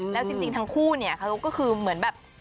แล้วจริงทั้งคู่เนี่ยเขาก็คือเหมือนแบบ